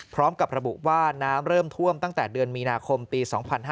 พร้อมกับระบุว่าน้ำเริ่มท่วมตั้งแต่เดือนมีนาคมปี๒๕๕๙